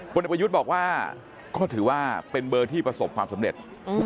เด็กประยุทธ์บอกว่าก็ถือว่าเป็นเบอร์ที่ประสบความสำเร็จ